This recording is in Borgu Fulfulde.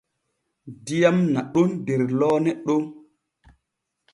Diyam naɗon der loone ɗon.